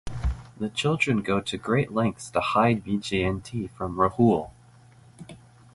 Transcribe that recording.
The children go to great lengths to hide Vyjayanti from Rahul.